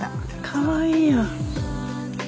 かわいいやん。